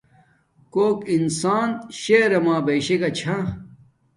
کوک انسان شہرما بیشا گا چھا